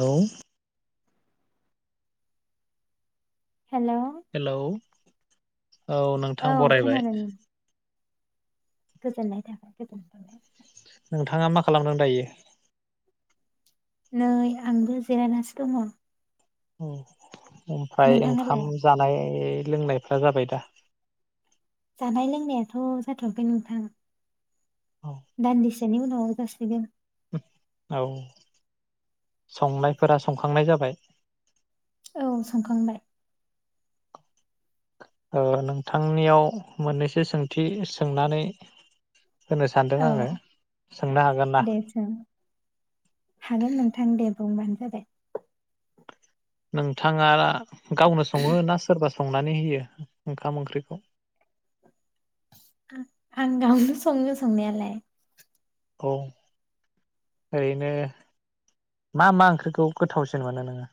औ hello hello औ नोंथां बरायबाय गोजोननाय थाबाय [inaudible] नोंथाङा मा खालामदों दायो नै आंबो जिरायनासो दङ' औ ओमफाय नोंथाङालाय ओंखाम जानाय लोंनायफ्रा जाबाय दा जानाय लोंनायाथ' जाथ'वाखै नोंथां औ दानदिसे नि उनाव जासिगोन [inaudible] औ संनायफोरा संखांनाय जाबाय औ संखांबाय ओ नोंथांनियाव मोननैसो सोंथि सोंनानै होनो सानदों औ आङो सोंनो हागोन ना? दे सों हागोन नोंथां दे बुंबानो जाबाय नोंथाङा गावनो सङो ना सोरबा संनानै होयो ओंखाम ओंख्रिखौ आं आं गावनो संङो संनायालाय औ ओरैनो मा मा ओंख्रिखौ गोथावसिन मोनो नोङो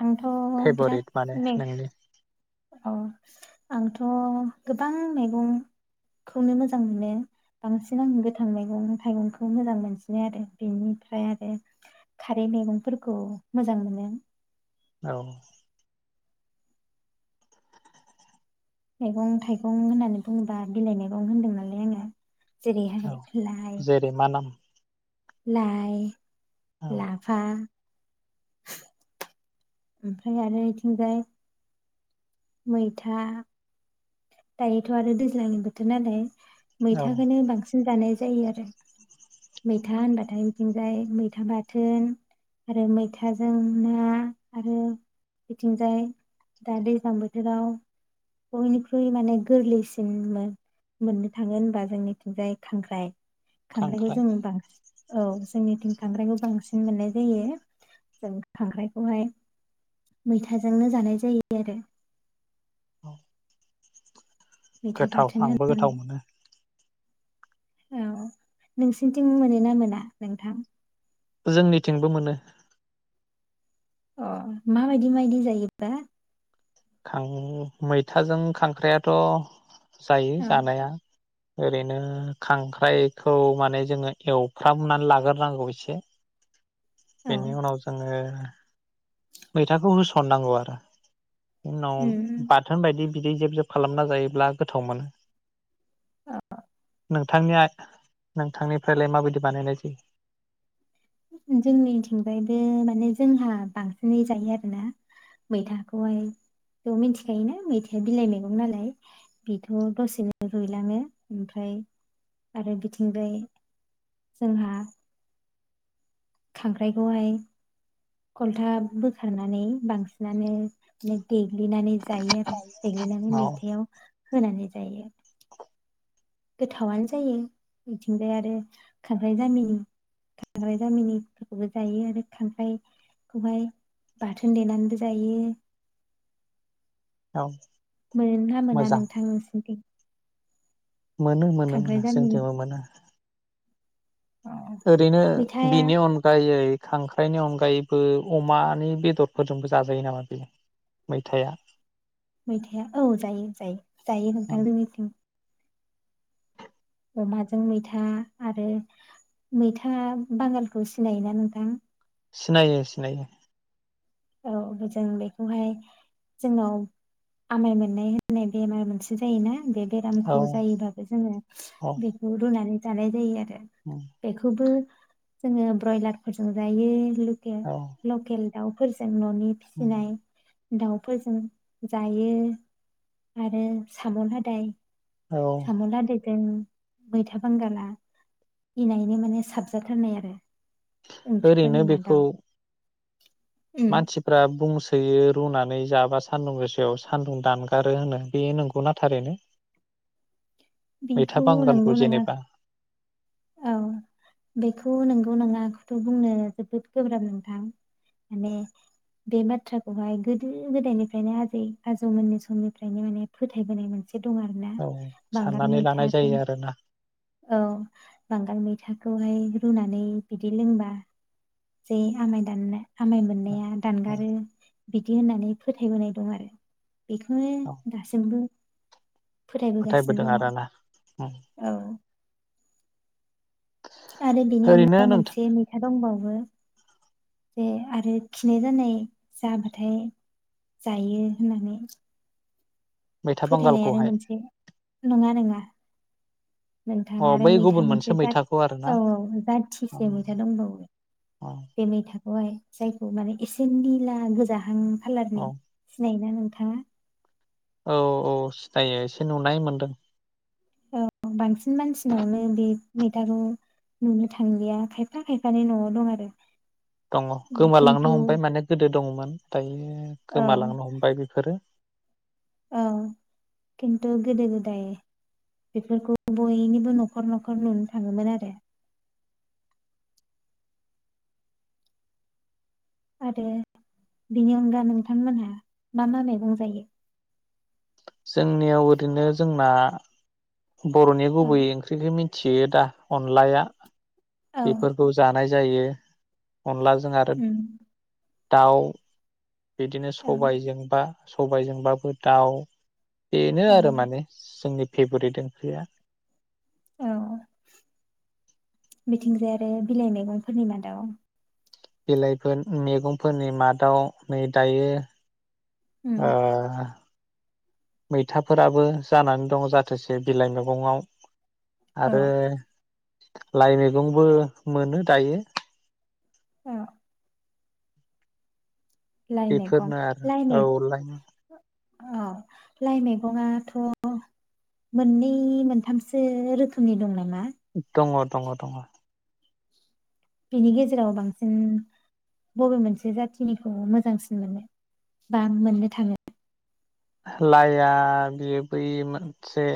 आंथ' बिराद फेभरिट माने मेक नोंनि अ आंथ' गोबां मेगंखौनो मोजां मोनो बांसिन आं गोथां मेगं थाइगंखौ मोजां मोनसिनो आरो बेनिफ्राय आरो खारै मेगंफोरखौ मोजां मोनो औ मेगं थाइगं होननानै बुङोबा बिलाइ मेगं होनदों नालाय आङो जेरैहाय औ लाइ जेरै मा नाम लाइ औ लाफा ओमफ्राय आरो इथिंजाय मैथा दायोथ' आरो दैज्लांनि बोथोर नालाय औ मैथाखोनो बांसिन जानाय जायो आरो मैथा होनबाथाय इथिंजाय मैथा बाथोन आरो मैथाजों ना आरो बिथिंजाय दा दैज्लां बोथोराव बयनिख्रुइ माने गोरलैसिन मो मोननो थाङो होनबा जोंनिथिंजाय खांख्राइ खांख्राइखौ खांख्राइ जों बांसि औ जोंनिथिं खांख्राइखौ बांसिन मोननाय जायो औ खांख्राइखौहाय मैथाजोंनो जानाय जायो आरो मैथा गोथाव बाथोन आंबो होनानै गोथाव मोनो। औ नोंसिनिथिं मोनोना मोना नोंथां। जोंनिथिंबो मोनो। अ माबायदि मायदि जायोब्ला। खां मैथाजों खांख्राइ आथ। जायो औ जानाया। ओरैनो खांख्राइखौ माने जोङो एवफ्रामनानै लाग्रोनांगौ एसे। औ बेनि उनाव जोङो मैथाखौ होसननांगौ आरो। उनाव उम बाथोन बायदि बिदै जेब जेब खालामना जायोब्ला गोथाव मोनो। औ नोंथांनि [unintelligible] नोंथांनिफ्रायलाय माबायदि बानायनाय जायो। जोंनिथिंजायबो माने जोंहा बांसिनै जायो आरोना मैथाखौहाय मिथिखायोना मैथाया बिलाइ मैगं नालाय बेथ दसेनो रुइलाङो ओमफ्राय आरो बिथिंजाय जोंहा खांख्राइखौहाय खलथा बोखारनानै बांसिनानो देग्लिनानै जायो आरो। देग्लिनानै औ मैथायाव। होनानै जायो। गोथावनो जायो बिथिंजाय आरो खांख्राइ जामिनि खांख्राइ जामिनिफोरखौबो जायो आरो खांख्राइखौहाय बाथोन देनानैबो जायो। औ। मोनोना मोना मोजां नोंथां [unintelligible] मोनो मोनो खांख्राइ मोनो जामिनि जोंनिथिंबो मोनो। ओरैनो मैथाया बिनि अनगायै। खांख्राइनि अनगायैबो अमानि बेदरफोरजोंबो जाजायो नामा बेयो मैथाया। मैथाया औ जायो जायो जायो नोंथां जोंनिथिं। अमाजों मैथा आरो मैथा बांगालखौ सिनायोना नोंथां। सिनायो सिनायो। औ जों बेखौहाय जोंनाव आमाइ मोननाय होननाय बेमार मोनसे जायोना बे। औ बेरामखौ जायोबाबो जोङो औ बेखौ रुनानै। जानाय जायो आरो। ओं बेखौबो। जोङो ब्रयलार फोरजों जायो। [unintelligible] औ लकेल। [unintelligible] ननि फिसिनाय। दाउफोरजों जायो आरो साम लादाय। औ साम लादाय। जों मैथा बांगाला इनायनो माने साबजाथारनाय आरो। ओंख्रिफोरनि ओरैनो मादाव बेखौ। उम मानसिफ्रा बुं सोयो रुनानै जाबा सान्दुं गोसायाव सान्दुं दानगारो होनो बे नंगौना थारैनो। मैथा बेखौ बांगालखौ नंगौ नङा। जेनेबा औ बेखौ नोंगौ नङाखौथ बुंनो जोबोद गोब्राब नोंथां माने बे बाथ्राखौहाय गोदो गोदायनिफ्रायनो आजै आजौमोननि समनिफ्रायनो माने फोथायबोनाय मोन। एसे दं आरो ना औ बांगाल साननानै लानाय मैथाजों जायो आरोना औ बांगाल मैथाखौहाय रुनानै बिदि लोंबा जै आमाय दाननो आमाय औ मोननाया दानगारो बिदि होननानै फोथायबोनाय दं आरो। बेखौनो औ दासिमबो। फोथायबोदों फोथायबोगासिनो दङ। आरोना औ। आरो बेनि ओरैनो अनगा नोंथां मोनसे मैथा दंबाव बो जे आरो खिनाय जानाय जाबाथाय जायो होननानै। मैथा फोथायनायानो बांगालखौहाय मोनसे नंङा नोंङा। [inaudible] अ नोंथाङा आरो बै गुबुन मैथा मोनसे जाद मैथाखौ आरोना औ औ जाथिसे मैथा दंबावो औ बे मैथा अ आइ। जायखौ माने एसे निला गोजाहां खालारनि औ सिनाय योना नोंथाङा। औ औ सिथायो एसे नुनाय मोनदों। औ बांसिन मानसिनावनो बेब मैथाखौ नुनो थांलिया खायफा खायफानि न'आव दं आरो दङ गोमालांनो खिन्थु हमबाय माने गोदो दङमोन दायो। उम औ गोमालांनो हमबाय बिफोरो। औ खिन्थु गोदो गोदाय बिफोरखौ बयनिबो न'खर न'खर नुनो थाङोमोन आरो। आरो बिनि अनगा नोंथांमोनहा मा मा मेगं जायो। जोंनियाव ओरैनो जोंना। बर'नि औ गुबैयै ओंख्रिखि मिन थियो दा अनलाया औ बेफोरखौ जानाय जायो। अनलाजों आरो उम दाउ। बिदिनो औ सबायजोंबा सबायजों बाबो दाउ। बेनो आरो माने जोंनि फेब्रेद ओं ख्रिया। औ बिथिंजाय आरो बिलाइ मैगंफोरनि मादाव बिलाइफोर मैगंफोरनि मादाव नै दायो। उम ओ मैथाफोराबो जानान दंङ जाथोसे बिलाइ मैगंङाव। औ आरो लाइ मैगंबो मोनो दायो। औ लाइ मैगं बेफोरना आरो लाइ मैग औ लाइ। औ लाइ मैगंङाथ' मोननै मोनथामसो रोखोमनि दं नामा? दंङ दंङ दंङ। बिनि गेजेराव बांसिन बबे मोनसे जाथिनिखौ मोजांसिन मोनो बा मोननो थांङो? लाइआ बिबै मोनसे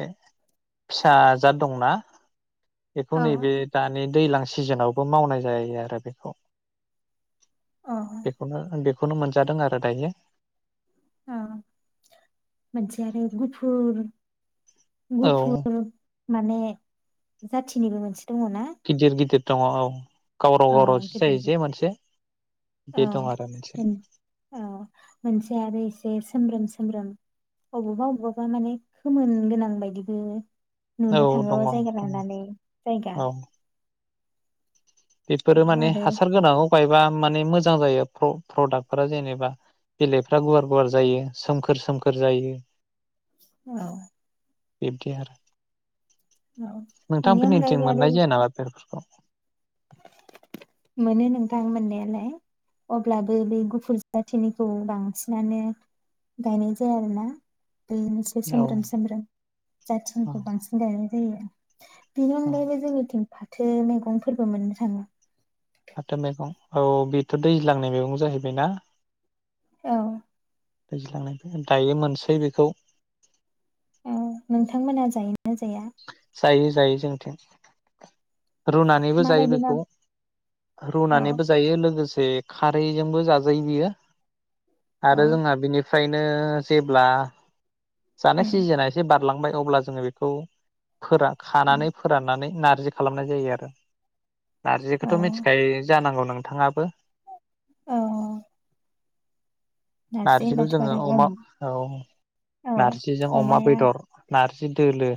फिसाजाद दंङना? एखौ औ नै बे दानि दैलां सिजेनावबो मावनाय जायो आरो बेखौ। औ बेखौनो आंबो बेखौनो मोनजादों आरो दायो। अ मोनसे आरो गुफुर, औ गुफुर माने जाथिनिबो मोनसे दङ ना गिदेर गिदेर [unintelligible] गावराव औ गावराव जि गिदिर जायो जे गिदिर मोनसे औ बे दं आरो मोनसे। मोन औ मोनसे आरो एसे सोमब्रोम सोमब्रोम अबावबा अबावबा माने खोमोन गोनां बायदिबो नुनो औ दङ थाङोबा जायगा दङ लानानै जायगा। औ बेफोरो माने आरो हासार गोनां गायबा माने मो जां जायो प्र प्रडाक्टफोरा जेनेबा बिलाइफ्रा गुवार गुवार जायो सोमखोर सोमखोर जायो। औ बिब्दि आरो। औ बेनि अनगायैबो नोंथांफोरनिन्थिं आरो मोननाय जाया नामा बेफोरखौ? मोनो नोंथां मोननायालाय अब्लाबो बे गुफुर जाथिनिखौ बांसिनानो गायनाय जाया आरोना। बेनोसै औ सोमब्रोम सोमब्रोम औ जाथिनिखौ बांसिन गायो। दे बिनि औ अनगायैबो जोंनिथिं फाथो मैगं फोरबो मोननो थाङो। फाथो मैगं औ बेथ' दैज्लांनाय मैगं जाहैबायना औ। दैज्लांनायखाय दायो मोनसै बेखौ। औ नोंथांमोना जायो। जायो जायो जोंथिं। रुनानैबो जायो माबायदि मा बेखौ औ रुनानैबो जायो लोगोसे खारैजोंबो जाजायो बियो औ आरो जोंहा बिनि फ्रायनो जेब्ला जानाया उम सिजोन एसे बार खारलांबाय अब्ला जोङो बेखौ फोरान खानानै उम फोराननानै नार रज्रि खालामनाय जायो आरो। नारजिखौथ' औ मिथिखायो जानांगौ नों नोंथाङाबो। औ नारजि नारजिखौ होनबाथ' जोङो आरो अम अमा औ औ नारजिजों अमा अमाया बेदर नारजि दोलो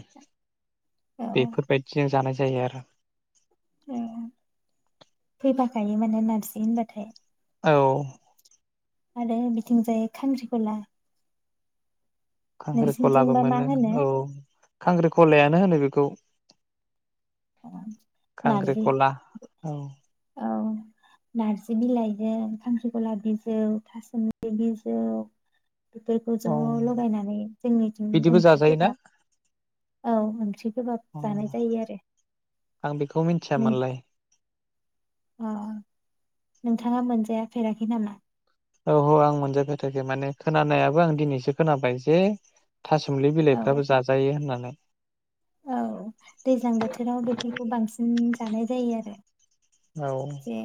औ बेफोरबायदिजों जानाय ज जायो आरो। औ फैफाखायो माने नारजि होनबाथाय औ। आरो बिथिं जाय खांख्रिखला खांख्रिखलाबो नोंसिनिथिंबा मा मोनो होनो औ खांख्रिखलायानो होनो बे खौ। नारजि खांख्रिखला औ नार्जि बिलाइजों खांख्रिखला बिजौ थासुमलि बिजौ बेखौ ज' औ लगायनानै जोंनि बिदिबो ओंख्रि जाजायोना गोबाब औ ओंख्रि गोबाब औ जानाय जायो आरो। आं बेखौ मिथियामोनलाय अ नोंथाङा मोनजाया फेराखै नामा। औ औ आं मोनजाफेराखै माने खोनानायाबो आं दिनैसो खोनाबाय जे थासुमलि औ बिलाइफ्राबो जाजायो होननानै औ दैज्लां बोथोराव बेफोरखौ बांसिन जानाय जायो आरो। औ ए।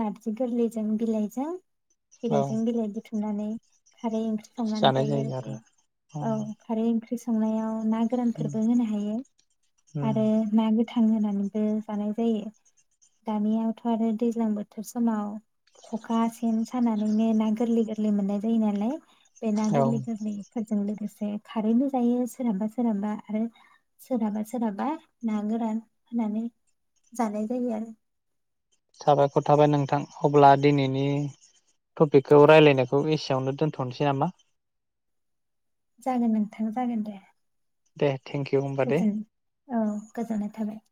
नारजि गोरलैजों बिलायजों। औ बिलायजों बिलाय ननानै खारै ओंख्रि संनानै जायो आरो बे औ खारै ओंख्रि ओख्रि संनायाव ना गोरानफोरबो होनो हायो आरो ना। गोथां होनानैबो जानाय जायो दानियावथ' आरो दैज्लां बोथोर बोथोर समाव खखा सेन सानानैनो ना गोरलै गोर गोरलै मोननाय जायो नालाय बे ना औ गोरलि गोरलि बेजों लोगोसे खारैबो जायो सोरहाबा सोरहाबा आरो सोरहाबा सोरहाबा ना गोरान होनानै जानाय जायो आरो। थाबायखर थाबाय नोंथां अब्ला दिनैनि टपिकखौ राय्लायनायखौ एसेयावनो दोनथ'नोसै नामा? जोगोन नोंथां जागोन दे। दे थेंकिउ होमबा दे गोजोन औ गोजोननाय थाबाय।